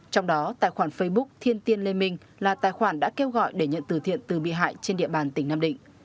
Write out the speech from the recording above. trong đó tài khoản facebook thiên tiên lê minh là tài khoản đã kêu gọi để nhận từ thiện từ bị hại trên địa bàn tỉnh nam định